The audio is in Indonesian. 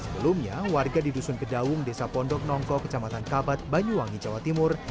sebelumnya warga di dusun kedaung desa pondok nongko kecamatan kabat banyuwangi jawa timur